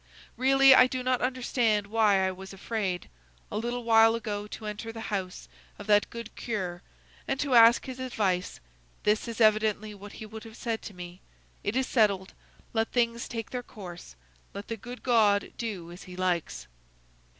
Really, I do not understand why I was afraid, a little while ago, to enter the house of that good curé, and to ask his advice; this is evidently what he would have said to me: It is settled; let things take their course; let the good God do as he likes!"